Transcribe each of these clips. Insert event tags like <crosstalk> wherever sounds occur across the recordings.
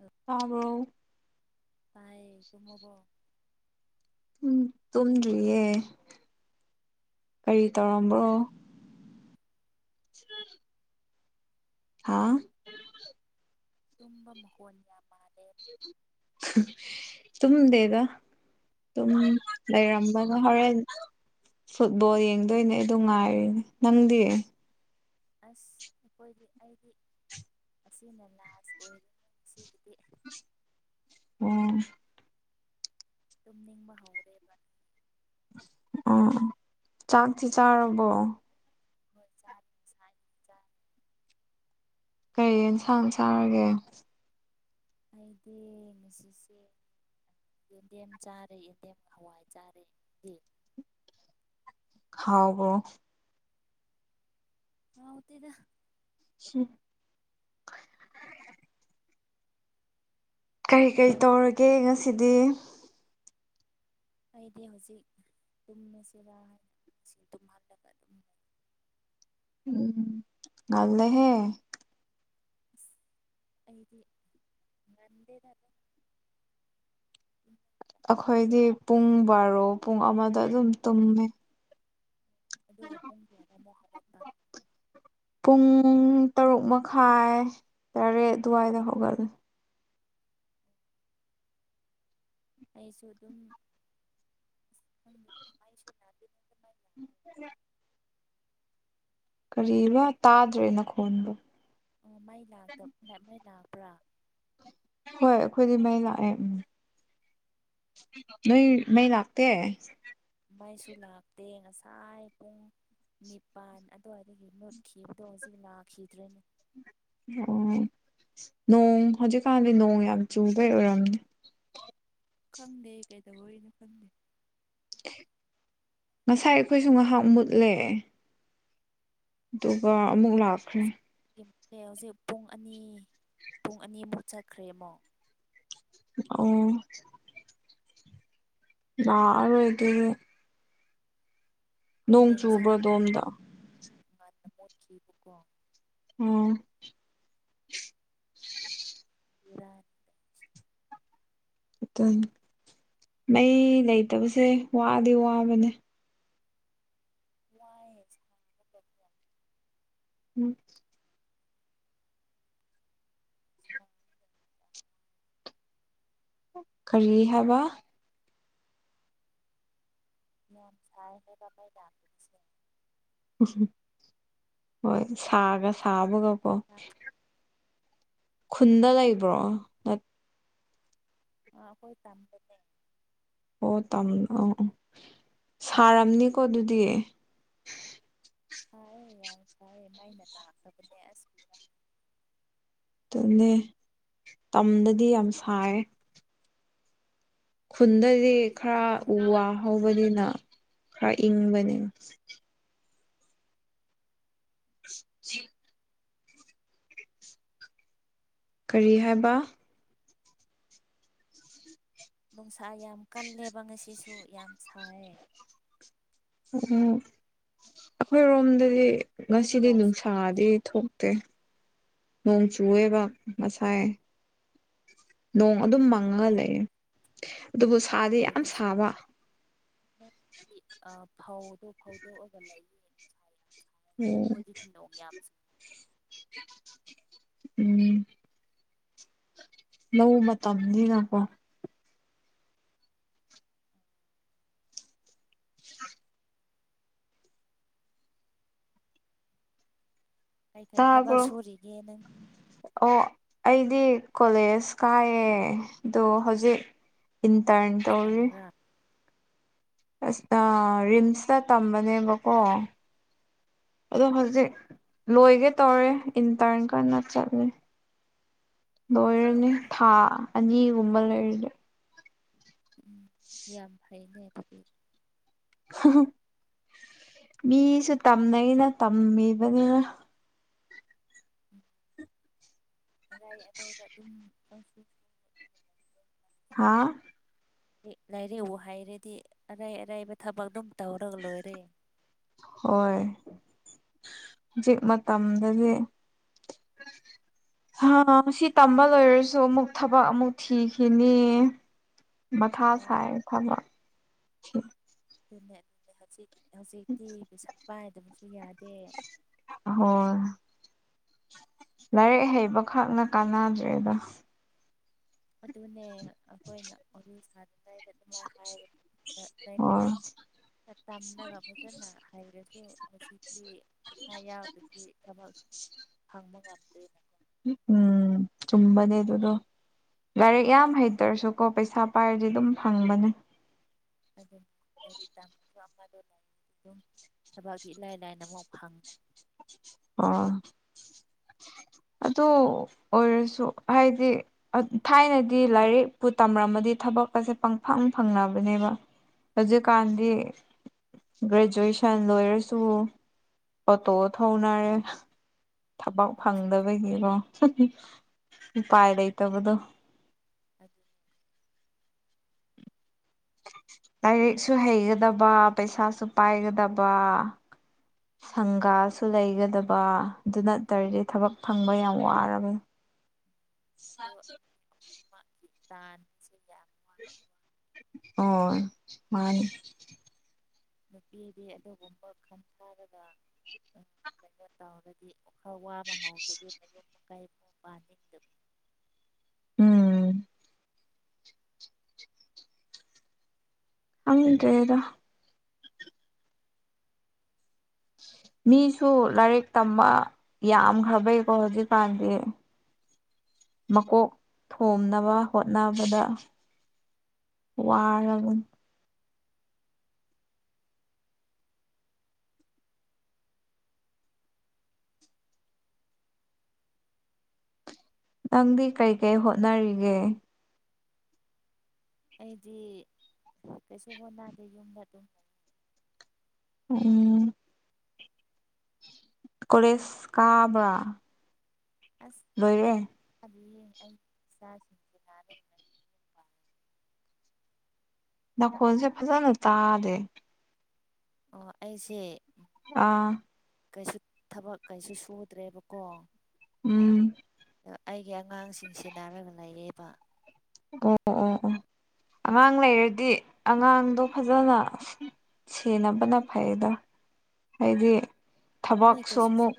ꯎꯝ ꯇꯥꯕꯔꯣ ꯇꯥꯏꯌꯦ ꯇꯨꯝꯃꯕꯣ ꯇꯨꯝꯗ꯭ꯔꯤꯌꯦ ꯀꯔꯤ ꯇꯨꯝꯕ ꯇꯧꯔꯝꯕ꯭ꯔꯣ <inaudible> ꯍꯥꯥ ꯇꯨꯝꯕ ꯃꯈꯣꯟ ꯌꯥꯝ ꯃꯥꯜꯂꯦ ꯇꯨꯝꯗꯦꯗ ꯇꯨꯝ ꯂꯩꯔꯝꯕꯅꯦ ꯍꯣꯔꯦꯟ ꯐꯨꯠꯕꯣꯜ ꯌꯦꯡꯗꯣꯏꯅꯦ ꯑꯗꯨ ꯉꯥꯏꯔꯤꯅꯦ ꯅꯪꯗꯤ ꯑꯁ ꯑꯩꯈꯣꯏꯗꯤ ꯑꯩꯗꯤ ꯑꯁꯤꯅ ꯂꯥꯁ ꯑꯣꯏ ꯉꯁꯤꯒꯤꯗꯤ ꯎꯝ ꯇꯨꯝ ꯅꯤꯡꯕ ꯍꯧꯔꯦꯕ ꯎ ꯆꯥꯛꯇꯤ ꯆꯥꯔꯕꯣ ꯍꯣꯏ ꯆꯥꯔꯦ ꯉꯁꯥꯏ ꯆꯥꯔꯦ ꯀꯩ ꯑꯦꯟꯁꯥꯡ ꯆꯥꯔꯒꯦ ꯑꯩꯗꯤ ꯉꯁꯤꯁꯦ ꯌꯦꯟꯗꯦꯝ ꯆꯥꯔꯦ ꯌꯦꯟꯗꯦꯝ ꯍꯋꯥꯏ ꯆꯥꯔꯦ ꯗꯤ ꯍꯥꯎꯕꯔꯣ ꯉꯥꯑꯣꯇꯦꯗ <inaudible> ꯀꯩ ꯀꯩ ꯇꯧꯔꯒꯦ ꯉꯁꯤꯗꯤ ꯑꯩꯗꯤ ꯍꯧꯖꯤꯛ ꯇꯨꯝꯁꯤꯔꯥ <unintelligible> ꯎꯝ ꯉꯜꯂꯦꯍꯦ ꯑꯁ ꯑꯩꯗꯤ ꯉꯟꯗꯦꯗ ꯑꯗꯨꯝ ꯑꯈꯣꯏꯗꯤ ꯄꯨꯡ ꯕꯥꯔꯣ ꯄꯨꯡ ꯑꯃꯗ ꯑꯗꯨꯝ ꯇꯨꯝꯃꯦ ꯑꯗꯨꯒ ꯄꯨꯡ ꯀꯌꯥꯗ ꯑꯃꯨꯛ ꯍꯧꯒꯠꯄ ꯄꯨꯡ ꯇꯔꯨꯛ ꯃꯈꯥꯏ ꯇꯔꯦꯠ ꯑꯗꯨꯋꯥꯏꯗ ꯍꯧꯒꯠꯂꯦ ꯑꯩꯁꯨ ꯑꯗꯨꯝ ꯑꯁ ꯈꯪꯗꯦꯗ <unintelligible> <inaudible> ꯀꯔꯤꯔ ꯇꯥꯗ꯭ꯔꯦ ꯅꯈꯣꯟꯗꯣ ꯑꯣ ꯃꯩ ꯂꯥꯛꯇ ꯃꯩ ꯂꯥꯛꯄ꯭ꯔꯥ ꯍꯣꯏ ꯑꯩꯈꯣꯏꯗꯤ ꯃꯩ ꯂꯥꯛꯑꯦ ꯎꯝ ꯅꯣꯏ ꯃꯩ ꯂꯥꯛꯇꯦ ꯃꯩꯁꯨ ꯂꯥꯛꯇꯦ ꯉꯁꯥꯏ ꯄꯨꯡ ꯅꯤꯄꯥꯟ ꯑꯗꯨꯋꯥꯏꯗꯒꯤ ꯃꯨꯠꯈꯤꯕꯗꯣ ꯍꯧꯖꯤꯛ ꯂꯥꯛꯈꯤꯗ꯭ꯔꯦꯅꯦ ꯑꯣ ꯅꯣꯡ ꯍꯧꯖꯤꯛꯀꯥꯟꯗꯤ ꯅꯣꯡ ꯌꯥꯝ ꯆꯨꯕꯩ ꯑꯣꯏꯔꯝꯅꯤ ꯈꯪꯗꯦ ꯀꯩꯗꯧꯕꯩꯅꯣ ꯈꯪꯗꯦ ꯉꯁꯥꯏ ꯑꯩꯈꯣꯏꯁꯨ ꯉꯥꯏꯍꯥꯛ ꯃꯨꯠꯂꯦ ꯑꯗꯨꯒ ꯑꯃꯨꯛ ꯂꯥꯛ ꯍꯧꯖꯤꯛ ꯄꯨꯡ ꯑꯅꯤ ꯄꯨꯡ ꯑꯅꯤꯃꯨꯛ ꯆꯠꯈ꯭ꯔꯦ ꯑꯃꯣꯛ ꯑꯣ ꯂꯥꯛꯑꯔꯣꯏ <unintelligible> ꯅꯣꯡ ꯈꯪꯗꯦ ꯆꯨꯕ꯭ꯔꯣ ꯉꯁꯥꯏ ꯑꯗꯣꯝꯗ ꯉꯟꯅ ꯃꯣꯠꯈꯤꯕꯀꯣ ꯑꯣ ꯕꯦꯔꯥꯅꯤ ꯑꯗꯨꯅꯤ ꯃꯩ ꯂꯩꯇꯕꯁꯦ ꯋꯥꯗꯤ ꯋꯥꯕꯅꯦ ꯋꯥꯏꯌꯦ ꯁꯥꯕꯒꯀꯣ ꯑꯝ ꯑ <inaudible> ꯀꯔꯤ ꯍꯥꯏꯕ ꯃꯌꯥꯝ ꯁꯥꯏ ꯍꯥꯏꯕ ꯕꯝꯃꯩ ꯂꯥꯛꯇꯕꯁꯦ ꯎꯍꯝ ꯍꯣꯏ ꯁꯥꯒ ꯁꯥꯕꯒꯀꯣ ꯈꯨꯟꯗ ꯂꯩꯕ꯭ꯔꯣ ꯅꯠ ꯑꯥ ꯑꯈꯣꯏ ꯇꯝꯄ ꯑꯣ ꯇꯝ ꯑꯣ ꯑꯣ ꯁꯥꯔꯝꯅꯤꯀꯣ ꯑꯗꯨꯗꯤ ꯁꯥꯢꯌꯦ ꯌꯥꯏ ꯁꯥꯏꯌꯦ ꯃꯩꯅ ꯅꯥꯛꯇꯕꯅꯦ ꯑꯁ ꯕꯤꯔ ꯇꯨꯅꯦ ꯇꯝꯗꯗꯤ ꯌꯥꯝ ꯁꯥꯏ ꯈꯨꯟꯗꯗꯤ ꯈꯔ ꯑꯩ ꯎ ꯋꯥ ꯍꯧꯕꯅꯤꯅ ꯈꯔ ꯏꯪꯕꯅꯤ ꯖꯤ <inaudible> ꯀꯔꯤ ꯍꯥꯏꯕ ꯅꯨꯡꯁꯥ ꯌꯥꯝ ꯀꯜꯂꯦꯕ ꯉꯁꯤꯁꯨ ꯌꯥꯝ ꯁꯥꯏꯌꯦ ꯑꯣ ꯑꯩꯈꯣꯏꯔꯣꯝꯗꯗꯤ ꯅꯣꯏꯗ ꯉꯁꯤꯗꯤ ꯅꯣꯡ ꯅꯨꯡꯁꯥꯗꯤ ꯊꯣꯛ ꯇꯦ ꯅꯣꯡ ꯆꯨꯌꯦꯕ ꯃꯁꯥꯏ ꯅꯣꯡ ꯑꯗꯨꯝ ꯃꯪꯉꯒ ꯂꯩꯌꯦ ꯑꯗꯨꯕꯨ ꯁꯥꯢ ꯐꯧꯒꯗꯣꯁꯨ ꯑ ꯐꯧꯗꯨ ꯐꯧꯗꯣꯑꯛ ꯂꯩꯌꯦ ꯌꯨꯝꯁꯥ ꯌꯥꯝ ꯁꯥꯏ ꯈꯣꯏꯗꯤ ꯇꯤꯟꯗꯣꯡ ꯌꯥꯝ ꯎꯝ ꯂꯧ ꯃꯇꯝꯅꯤꯅꯀꯣ ꯇꯥꯏ ꯇꯥꯏ ꯊꯕꯛ ꯇꯥꯕ꯭ꯔꯣ ꯁꯨꯔꯤꯒꯦ ꯅꯪ ꯑꯣ ꯑꯩꯗꯤ ꯀꯣꯂꯦꯖ ꯀꯥꯏꯌꯦ ꯗꯣ ꯍꯧꯖꯤꯛ ꯏꯟꯇꯔꯟ ꯇꯧꯔꯤ ꯇꯝꯕ꯭ꯔꯥ ꯑꯁ ꯑꯣ ꯑ ꯔꯤꯝꯁꯇ ꯇꯝꯕꯅꯦꯕꯀꯣ ꯑꯗꯣ ꯍꯧꯖꯤꯛ ꯂꯣꯏꯒꯦ ꯇꯧꯔꯦ ꯏꯟꯇꯔꯟ ꯀꯟꯅ ꯆꯠꯂꯤ ꯑꯣ ꯂꯣꯏꯔꯅꯤ ꯊꯥ ꯑꯅꯤꯒꯨꯝꯕ ꯂꯩꯔꯗꯤ ꯎꯝ ꯌꯥꯝ ꯐꯩꯅꯦ ꯑꯗꯨꯗꯤ ꯍꯨꯍꯨ ꯃꯤꯁꯨ ꯇꯝꯅꯩꯅ ꯇꯝꯃꯤꯕꯅꯤꯗ ꯎꯝ ꯑꯅꯩ ꯑꯅꯩꯕ ꯑꯗꯨꯝ ꯇꯧ ꯍꯥꯥ ꯔꯤꯛ ꯂꯥꯏꯔꯤꯛꯕꯨ ꯍꯩꯔꯗꯤ ꯑꯔꯥꯏ ꯑꯔꯥꯏꯕ ꯊꯕꯛ ꯑꯗꯨꯝ ꯇꯧꯔꯒ ꯂꯣꯏꯔꯦ ꯍꯣꯏ ꯍꯧꯖꯤꯛ ꯃꯇꯝꯗꯗꯤ <unintelligible> ꯍꯥꯃꯁꯤ ꯇꯝꯕ ꯂꯣꯏꯔꯁꯨ ꯑꯃꯨꯛ ꯊꯕꯛ ꯑꯃꯨꯛ ꯊꯤꯈꯤꯅꯤ ꯃꯊꯥ ꯍꯣꯏ ꯁꯥꯏ ꯊꯕꯛ ꯑꯗꯨꯅꯦ ꯑꯗꯨꯅꯦ ꯍꯧꯖꯤꯛ ꯍꯧꯖꯤꯛꯇꯤ ꯄꯩꯁꯥ ꯄꯥꯏꯗꯕꯁꯨ ꯌꯥꯗꯦ ꯍꯣꯏ ꯂꯥꯏꯔꯤꯛ ꯍꯩꯕꯈꯛꯅ ꯀꯥꯟꯅꯗ꯭ꯔꯦꯗ ꯑꯗꯨꯅꯦ ꯑꯩꯈꯣꯏꯅ ꯑꯗꯤꯜ ꯁꯥꯗ꯭ꯔꯤꯉꯥꯏꯗ ꯑꯗꯨꯃꯥꯏ ꯍꯥꯏꯕꯅꯦ ꯂꯥꯏꯔꯤꯛ ꯍꯣꯏ ꯈ ꯇꯝꯂꯒ ꯐꯖꯅ ꯍꯩꯔꯁꯨ ꯍꯧꯖꯤꯛꯇꯤ ꯄꯩꯁꯥ ꯌꯥꯎꯗꯔꯗꯤ ꯊꯕꯛ ꯐꯪꯕ ꯉꯝꯗꯦꯅ ꯎꯝ ꯆꯨꯝꯕꯅꯦ ꯑꯗꯨꯗꯣ ꯂꯥꯏꯔꯤꯛ ꯌꯥꯝ ꯍꯩ ꯍꯩꯇꯔꯁꯨ ꯀꯣ ꯄꯩꯁꯥ ꯄꯥꯏꯔꯗꯤ ꯑꯗꯨꯝ ꯐꯪꯕꯅꯦ ꯑꯗꯨꯟ ꯂꯥꯏꯔꯤꯛ ꯇꯝꯃꯤꯕ ꯑꯃꯗꯣ ꯂꯥꯏꯔꯤꯛ ꯗꯨꯝ ꯊꯕꯛꯇꯤ ꯏꯂꯥꯏ ꯂꯥꯏꯅ ꯑꯃꯣꯛ ꯐꯪꯕ ꯑꯣ ꯑꯗꯨ ꯑꯣꯏꯔꯁꯨ ꯍꯥꯏꯗꯤ ꯊꯥꯏꯅꯗꯤ ꯂꯥꯏꯔꯤꯛꯄꯨ ꯇꯝꯔꯝꯃꯗꯤ ꯊꯕꯛ ꯑꯁꯦ ꯄꯪꯐꯪ ꯐꯪꯅꯕꯅꯦꯕ ꯍꯧꯖꯤꯛꯀꯥꯟꯗꯤ ꯒ꯭ꯔꯦꯖꯨꯑꯦꯁꯟ ꯂꯣꯏꯔꯁꯨ ꯍ ꯇꯣ ꯊ ꯍꯧꯧꯅꯦ ꯊꯕꯛ ꯐꯪꯗꯕꯒꯤꯔꯣ ꯎꯄꯥꯏ ꯂꯩꯇꯕꯗꯣ ꯑꯗꯨ ꯂꯥꯏꯔꯤꯛꯁꯨ ꯍꯩꯒꯗꯕ ꯄꯩꯁꯥꯁꯨ ꯄꯥꯏꯒꯗꯕ ꯁꯪꯒꯥꯁꯨ ꯂꯩꯒꯗꯕ ꯑꯗꯨ ꯅꯠꯇꯔꯗꯤ ꯊꯕꯛ ꯐꯪꯕ ꯌꯥꯝ ꯋꯥꯔꯕꯅꯤ ꯆꯁ ꯌꯥꯝ ꯑꯣ ꯃꯥꯅꯤ ꯅꯨꯄꯤꯗꯤ ꯑꯗꯨꯒꯨꯝꯕ ꯈꯟꯊꯔꯒ ꯀꯩꯅꯣ ꯇꯧꯔꯗꯤ ꯈꯔ ꯋꯥꯕ ꯍꯧꯥꯎꯗꯗꯤ ꯃꯌꯨꯝ ꯃꯀꯥꯏ ꯑꯃꯨꯛ ꯄꯥꯅꯤꯡꯗꯕ ꯎꯝ ꯑꯪꯗꯦꯗ ꯃꯤꯁꯨ ꯂꯥꯏꯔꯤꯛ ꯇꯝꯕ ꯌꯥꯝꯈ꯭ꯔꯕꯩꯀꯣ ꯍꯧꯖꯤꯛꯀꯥꯟꯗꯤ ꯃꯀꯣꯛ ꯊꯣꯝꯅꯕ ꯍꯣꯠꯅꯕꯗ ꯋꯥꯔꯕꯅꯤ ꯅꯪꯗꯤ ꯀꯔꯤ ꯀꯩ ꯍꯣꯠꯅꯔꯤꯒꯦ ꯑꯩꯗꯤ ꯀꯩꯁꯨ ꯍꯣꯟ ꯗꯦ ꯌꯨꯝꯗ ꯑꯗꯨꯝ ꯂꯩ ꯎꯝ ꯀꯁ ꯀꯥꯕ꯭ꯔ ꯑꯁꯣ ꯊꯥꯕꯤꯌꯦ ꯑꯩ ꯏꯆꯥꯁꯤꯡꯁꯤ ꯂꯅ ꯅꯥꯀꯣꯟꯁꯦ ꯐꯖꯅ ꯇꯥꯗꯦ ꯑꯣ ꯑꯩꯁꯦ ꯑꯥ ꯀꯩꯁꯨ ꯊꯕꯛ ꯀꯩꯁꯨ ꯁꯨꯗ꯭ꯔꯦꯕꯀꯣ ꯎꯝ ꯑ ꯑꯩꯒꯤ ꯑꯉꯥꯡꯁꯤꯡꯁꯤꯦꯟꯅꯅꯥꯔꯒ ꯂꯩꯌꯦꯕ ꯑꯣ ꯑꯣ ꯑꯣ ꯑꯉꯥꯡ ꯂꯩꯔꯗꯤ ꯑꯉꯥꯡꯗꯣ ꯐꯖꯅ ꯁꯤꯦꯅꯕꯅ ꯐꯩꯗꯣ ꯍꯥꯏꯗꯤ ꯏ ꯀꯦ ꯊꯕꯛꯁꯨ ꯑꯃꯨꯛ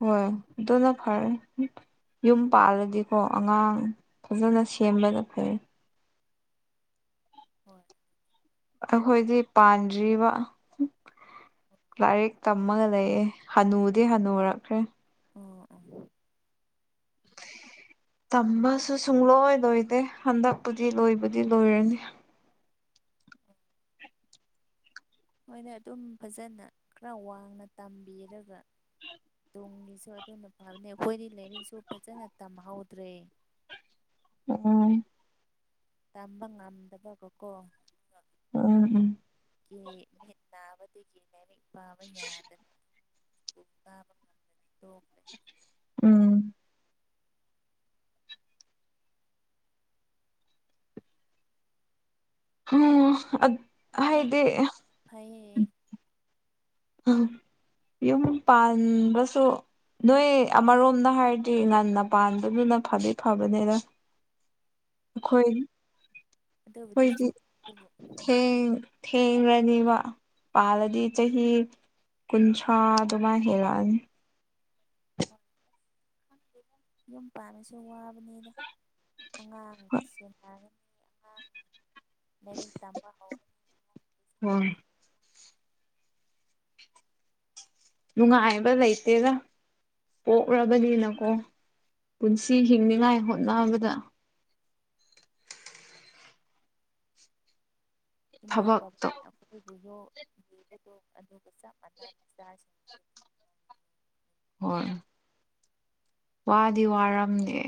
ꯍꯣꯏ ꯗꯣꯅ ꯐꯥꯔ ꯌꯨꯝ ꯄꯥꯜꯂꯗꯤꯀꯣ ꯑꯉꯥꯡ ꯐꯖꯅ ꯁꯦꯝꯕꯅ ꯐꯩ ꯍꯣꯏ ꯑꯩꯈꯣꯏꯗꯤ ꯄꯥꯟꯗ꯭ꯔꯤꯕ ꯂꯥꯏꯔꯤꯛ ꯇꯝꯃꯒ ꯂꯩꯑꯦ ꯍꯅꯨꯗꯤ ꯍꯅꯨꯔꯛꯈ꯭ꯔꯦ ꯑꯣ ꯇꯝꯕꯁꯨ ꯁꯨꯡꯂꯣꯏ ꯂꯣꯏꯗꯦ ꯍꯟꯗꯛꯄꯨꯗꯤ ꯂꯣꯏꯕꯨꯗꯤ ꯂꯣꯏꯔꯅꯤ ꯑꯣ ꯃꯣꯏꯅ ꯑꯗꯨꯝ ꯐꯖꯅ ꯈꯔ ꯋꯥꯡꯅ ꯇꯝꯕꯤꯔꯒ ꯇꯨꯡꯒꯤꯁꯨ ꯑꯗꯨꯅ ꯐꯕꯅꯦ ꯑꯩꯈꯣꯏꯗꯤ ꯂꯥꯏꯔꯤꯛꯁꯨ ꯐꯖꯅ ꯇꯝꯍꯧꯗ꯭ꯔꯦ ꯎꯝ ꯇꯝꯕ ꯉꯝꯗꯕꯒꯀꯣ ꯎꯝ ꯎꯝ ꯀ ꯃ ꯅꯥꯕꯗꯒꯤ ꯃꯃꯤ ꯄꯥꯕ ꯌꯥꯗ <unintelligible> ꯎꯝ ꯎꯝ ꯑ ꯍꯥꯏꯗꯦ ꯑꯝ ꯌꯨꯝ ꯄꯥꯟꯕꯁꯨ ꯅꯣꯏ ꯑꯃꯔꯣꯝꯗ ꯍꯥꯏꯔꯗꯤ ꯉꯟꯅ ꯄꯥꯟꯕꯗꯨꯅ ꯐꯗꯤ ꯐꯕꯅꯦꯅ ꯑꯩꯈꯣꯏ ꯑꯗꯨꯕꯨꯗꯤ ꯑꯩꯈꯣꯏꯗꯤ ꯆꯨꯝ ꯑꯗꯨꯕꯨ ꯊꯦꯡ ꯊꯦꯡꯡꯂ꯭ꯔꯅꯦꯕ ꯄꯥꯜꯂꯗꯤ ꯆꯍꯤ ꯀꯨꯟ ꯁꯥ ꯑꯗꯨꯃꯥꯏ ꯍꯦꯜꯂꯑꯅꯤ ꯍꯣꯏ ꯌꯨꯝ ꯄꯥꯟꯂꯁꯨ ꯋꯥꯕꯅꯤꯗ ꯑꯉꯥꯡꯁ ꯍꯥꯏꯔ ꯃꯔꯤ ꯇꯝꯕ ꯍꯧ ꯍꯣꯏ ꯅꯨꯡꯉꯥꯏꯕ ꯂꯩꯇꯦꯔ ꯄꯣꯛꯂꯕꯅꯤꯅꯀꯣ ꯄꯨꯟꯁꯤ ꯍꯤꯡꯅꯤꯉꯥꯏ ꯍꯣꯠꯅꯕꯗ ꯏꯃꯥ ꯊꯕꯛꯇꯣ ꯕꯕꯤꯅ ꯑꯩꯈꯣꯏꯕꯨ ꯌꯣ ꯌꯦꯕꯗꯣ ꯑꯗꯨꯒ ꯆꯞ ꯃꯥꯟꯅꯅ ꯏꯆꯥꯁꯤꯡ ꯍꯣꯏ ꯋꯥꯗꯤ ꯋꯥꯔꯝꯗꯦ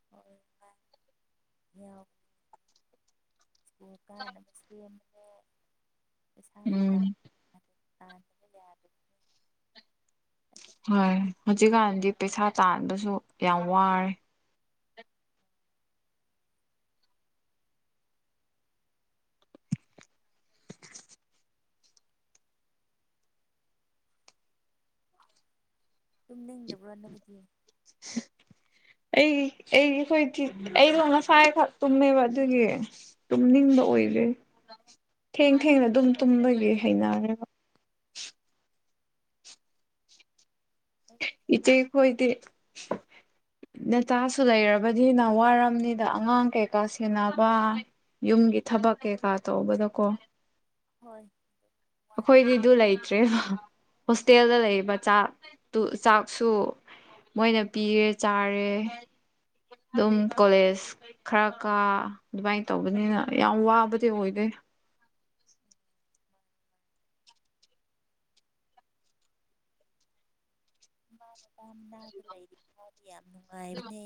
<unintelligible> ꯁ꯭ꯀꯨꯜ ꯀꯥꯟꯅꯕ ꯁꯦꯝꯕꯦ ꯏꯁꯩꯥꯅ ꯎꯝ ꯇꯥꯛ ꯑꯥ ꯌꯥꯗ ꯍꯣꯏ ꯍꯧꯖꯤꯛꯀꯥꯟꯗꯤ ꯄꯩꯁꯥ ꯇꯥꯟꯕꯁꯨ ꯌꯥꯝ ꯋꯥꯔꯦ ꯇꯨꯝ ꯅꯤꯡꯗꯕ꯭ꯔꯣ ꯅꯨꯃꯤꯗꯤ <inaudible> ꯑꯩ ꯑꯩ ꯑꯩꯈꯣꯏꯤ ꯑꯩꯁꯨꯣ ꯉꯁꯥꯏꯈꯛ ꯇꯨꯝꯃꯦꯕ ꯑꯗꯨꯒꯤ ꯇꯨꯝꯅꯤꯡꯕ ꯑꯣꯏꯔꯦ ꯊꯦꯡ ꯊꯦꯡꯅ ꯑꯗꯨꯝ ꯇꯨꯝꯂꯒꯦ ꯍꯩꯅꯔꯦꯕ ꯑꯩ ꯏꯆꯦ ꯍꯣꯏꯗꯦ <inaudible> ꯅꯇꯥꯁꯨ ꯂꯩꯔꯕꯗꯤꯅ ꯋꯥꯔꯝꯅꯤꯗ ꯑꯉꯥꯡ ꯀꯩꯀꯥ ꯁꯦꯟꯅꯕ ꯌꯨꯝꯒꯤ ꯊꯕꯛ ꯀꯩꯀꯥ ꯇꯧꯕꯗꯀꯣ ꯍꯣꯏ ꯋꯥꯏ ꯑꯩꯈꯣꯏꯗꯤ ꯑꯗꯨ ꯂꯩꯇ꯭ꯔꯦꯕ ꯍꯣꯁꯇꯦꯜꯗ ꯂꯩꯔꯤꯕ ꯆꯥꯛꯇ ꯆꯥꯛꯁꯨ ꯃꯣꯏꯅ ꯄꯤꯔꯦ ꯆꯥꯔꯦ ꯑꯗꯨꯝ ꯀꯣꯂꯦꯖ ꯈꯔ ꯀꯥ ꯑꯗꯨꯃꯥꯏꯅ ꯇꯧꯕꯅꯤꯅ ꯌꯥꯝ ꯋꯥꯕꯗꯤ ꯑꯣꯏꯗꯣꯏ ꯃꯥꯅ ꯇꯗꯥꯝ ꯅꯥꯕ ꯂꯩꯔꯤ ꯃꯥꯗꯤ ꯌꯥꯝ ꯅꯨꯡꯉꯥꯏꯕꯅꯦ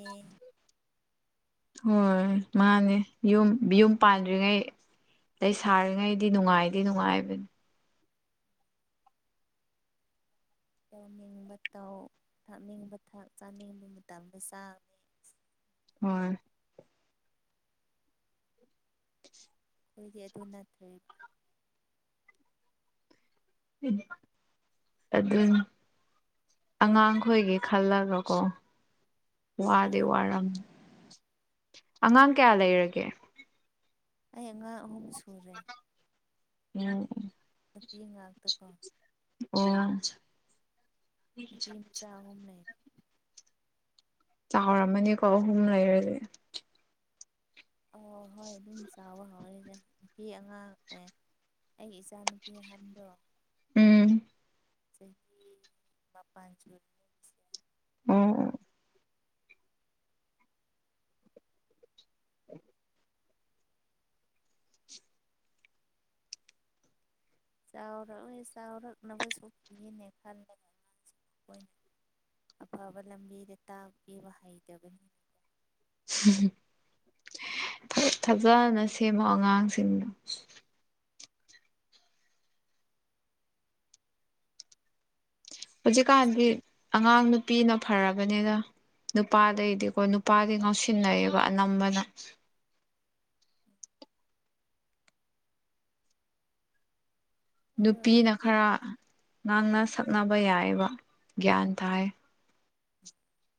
ꯍꯣꯏ ꯃꯥꯅꯦ ꯌꯨꯝ ꯌꯨꯝ ꯄꯥꯟꯗ꯭ꯔꯤꯉꯩ ꯑꯩ ꯁꯥꯔꯤꯉꯩꯗꯤ ꯅꯨꯡꯉꯥꯏꯇ ꯅꯨꯡꯉꯥꯏꯕꯅꯤ ꯇꯧꯅꯤꯡꯕ ꯇꯧ ꯊꯥꯛꯅꯤꯡꯕ ꯊꯥꯛ ꯆꯥꯅꯤꯡꯕ ꯃꯇꯝꯗ ꯆꯥꯡ ꯍꯣꯏ ꯑꯩꯈꯣꯏꯒꯤ ꯑꯗꯨ ꯅꯠꯇ꯭ꯔꯦ ꯑꯗꯨꯗ ꯑꯉꯥꯡꯈꯣꯏꯒꯤ ꯈꯜꯂꯒ ꯀꯣ ꯍꯣꯏ ꯋꯥꯗꯤꯦ ꯋꯥꯔꯝꯃꯤ ꯑꯉꯥꯡ ꯀꯌꯥ ꯂꯩꯔꯒꯦ ꯑ ꯉ ꯑꯍꯨꯝ ꯁꯨꯔꯦ ꯎꯝ ꯅꯨꯄꯤ ꯉꯥꯛꯇ ꯀꯣ ꯑꯣ ꯕꯤꯞ ꯆꯥꯍꯨꯝꯅ ꯆꯥꯎꯔꯝꯃꯅꯤꯀꯣ ꯑꯍꯨꯝ ꯂꯩꯔꯁꯦ ꯑꯣ ꯍꯣꯏ ꯑꯗꯨꯝ ꯆꯥꯎꯥꯕ ꯍꯧꯔꯤꯅꯦꯦ ꯅꯨꯄꯤ ꯑꯉꯥꯡ ꯑꯦ ꯑꯩꯒꯤ ꯏꯆꯥꯅꯨꯄꯤ ꯑꯍꯟꯗꯣ ꯎꯝ ꯆꯍꯤ ꯃꯄꯆꯜ ꯑꯣꯝ ꯆꯥꯎꯔꯛꯏ ꯆꯥꯎꯔꯛꯅꯕꯁꯨꯣꯛꯄꯤꯒꯤꯅꯦ ꯈꯜꯂꯕꯅ ꯑꯐꯕ ꯂꯝꯕꯤꯗ ꯇꯥꯛꯄꯤꯕ ꯍꯩꯇꯕꯅꯤ ꯐꯖꯅ ꯁꯦꯝꯃꯣ ꯑꯉꯥꯡꯁꯤꯡꯗꯣ ꯍꯧꯖꯤꯛꯀꯥꯟꯗꯤ ꯑꯉꯥꯡ ꯅꯨꯄꯤꯅ ꯐꯔꯕꯅꯤꯅ ꯅꯨꯄꯥꯗꯩꯗꯤꯀꯣ ꯅꯨꯄꯥꯗꯤ ꯉꯥꯎꯁꯤꯟꯅꯩꯑꯦꯕ ꯑꯅꯝꯕꯅ <inaudible> ꯑꯗꯣ ꯅꯨꯄꯤꯅ ꯍꯧꯖꯤꯛꯇꯤ ꯈꯔ ꯃꯤꯅ ꯉꯥꯡꯅ ꯁꯛꯅꯕ ꯌꯥꯏꯑꯦꯕ ꯒ꯭ꯌꯥꯟ ꯇꯥꯏ <inaudible>